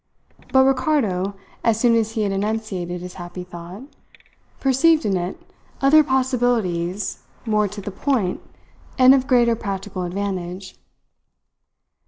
But Ricardo, as soon as he had enunciated his happy thought, perceived in it other possibilities more to the point and of greater practical advantage.